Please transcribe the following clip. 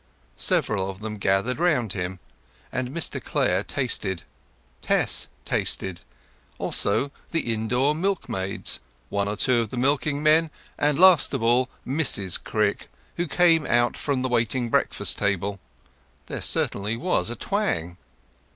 Several of them gathered round him; and Mr Clare tasted, Tess tasted, also the other indoor milkmaids, one or two of the milking men, and last of all Mrs Crick, who came out from the waiting breakfast table. There certainly was a twang.